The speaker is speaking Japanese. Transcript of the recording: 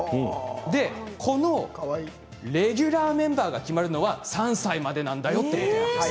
でこのレギュラーメンバーが決まるのは３歳までなんだよってことなんです。